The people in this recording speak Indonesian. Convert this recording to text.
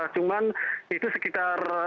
cuman itu sekitar